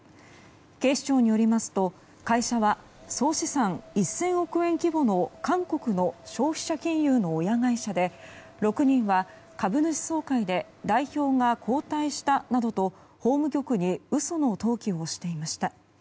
警視庁によりますと会社は総資産１０００億円規模の韓国の消費者金融の親会社で６人は株主総会で代表が交代したなどと法務局に嘘の登記をしていました。